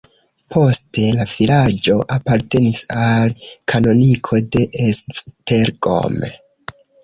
Poste la vilaĝo apartenis al kanoniko de Esztergom.